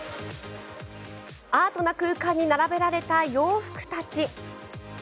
アートな空間に並べられた洋服たち。